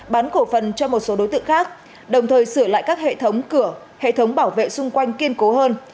bán cổ phần cho một số đối tượng khác đồng thời sửa lại các hệ thống cửa hệ thống bảo vệ xung quanh kiên cố hơn